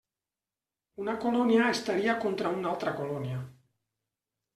Una colònia estaria contra una altra colònia.